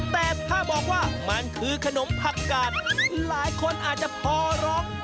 แต่ถ้าบอกว่ามันคือขนมผักกาดหลายคนอาจจะพอร้อง